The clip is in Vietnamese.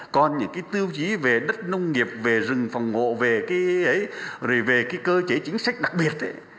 còn những cái tiêu chí về đất nông nghiệp về rừng phòng ngộ về cơ chế chính sách đặc biệt